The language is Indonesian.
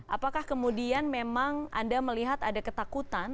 apakah kemudian memang anda melihat ada ketakutan